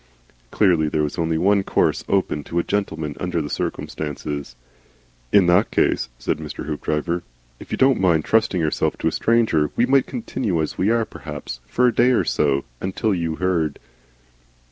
Clearly there was only one course open to a gentleman under the circumstances. "In that case," said Mr. Hoopdriver, "if you don't mind trusting yourself to a stranger, we might continue as we are perhaps. For a day or so. Until you heard."